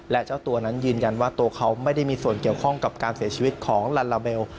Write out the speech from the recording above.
และเจ้าตัวนั้นยืนยันว่าตัวเขาไม่ได้มีส่วนเกี่ยวข้องกับการเสียชีวิตของลัลลาเบล